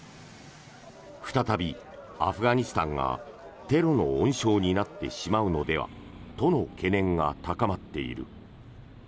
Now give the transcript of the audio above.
再びアフガニスタンがテロの温床になってしまうのではとの懸念が高まっている。